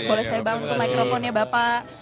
boleh saya bangun ke microphone nya bapak